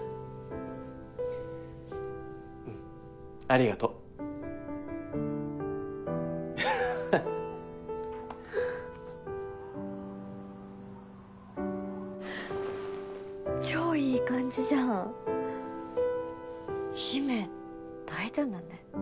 ありがとう超いい感じじゃん陽芽大胆だね